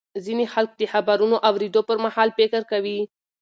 ځینې خلک د خبرونو اورېدو پر مهال فکر کوي.